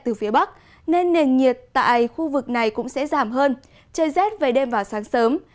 từ phía bắc nên nền nhiệt tại khu vực này cũng sẽ giảm hơn trời rét về đêm và sáng sớm